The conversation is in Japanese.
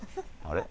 あれ？